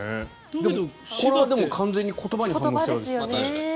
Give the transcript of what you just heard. でもこれは完全に言葉に反応しているんですよね。